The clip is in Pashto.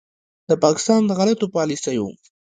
د پاکستان د غلطو پالیسیو